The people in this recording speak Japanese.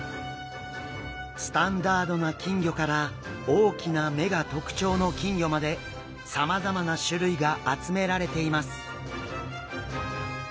スタンダードな金魚から大きな目が特徴の金魚までさまざまな種類が集められています。